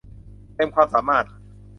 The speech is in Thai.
เต็มความสามารถ